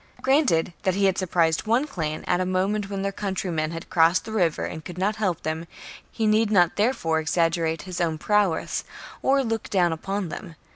Granted that he had surprised one clan at a moment when their countrymen had crossed the river and could not help them, he need not there fore exaggerate his own prowess, or look down upon them.